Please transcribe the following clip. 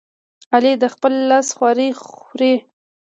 علي د خپل لاس خواري خوري.